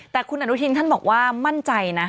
แต่คุณอนุทินท่านบอกว่ามั่นใจนะ